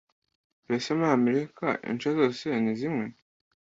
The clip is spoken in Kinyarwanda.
Mbese muri Amerika ince zose ni zimwe?